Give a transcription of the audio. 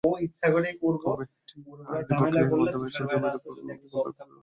Committee আইনিপ্রক্রিয়ার মাধ্যমে এসব জমির ওপর বন্দর কর্তৃপক্ষের কর্তৃত্ব প্রতিষ্ঠা করতে বলেছে।